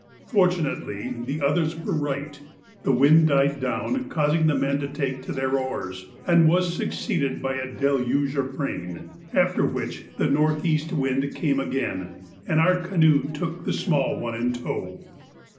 Fortunately the others were right, the wind died down, causing the men to take to their oars, and was succeeded by a deluge of rain, after which the north east wind came again and our canoe took the small one in tow.